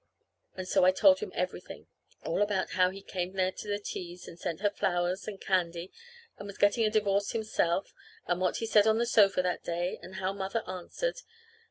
And so I told him everything, all about how he came there to the teas, and sent her flowers and candy, and was getting a divorce himself, and what he said on the sofa that day, and how Mother answered.